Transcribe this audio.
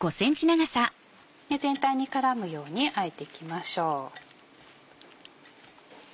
全体に絡むようにあえていきましょう。